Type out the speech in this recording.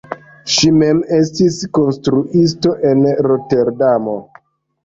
Ŝi mem estis instruisto en Roterdamo.